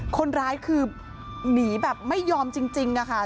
คนร้ายคือหนีแบบไม่ยอมจริงค่ะ